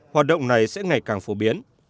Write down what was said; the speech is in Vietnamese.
hoạt động này sẽ ngày càng phổ biến